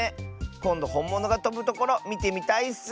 こんどほんものがとぶところみてみたいッス。